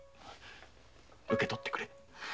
受け取ってくれ。